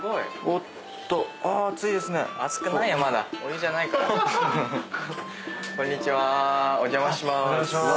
お邪魔します。